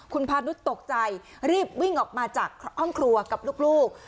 คุณพานุษย์ตกใจรีบวิ่งออกมาจากห้องครัวกับลูก